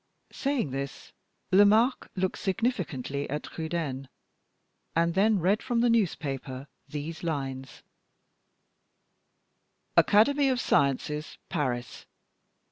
Saying this, Lomaque looked significantly at Trudaine, and then read from the newspaper these lines: "ACADEMY OF SCIENCES, PARIS.